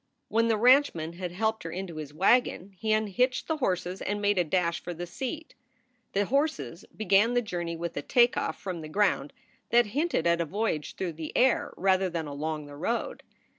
When the ranchman had helped her into his wagon he unhitched the horses and made a dash for the seat. The horses began the journey with a take off from the ground that hinted at a voyage through the air rather than along the road.